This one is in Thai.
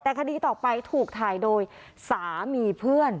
แต่คดีต่อไปถูกถ่ายโดยสามีเพื่อน